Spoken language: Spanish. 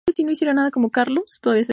La cofundadora es madre M.ª Encarnación.